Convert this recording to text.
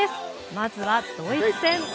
まずはドイツ戦。